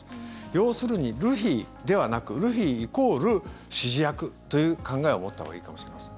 要するに、ルフィではなくルフィイコール指示役という考えを持ったほうがいいかもしれません。